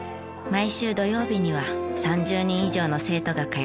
毎週土曜日には３０人以上の生徒が通っています。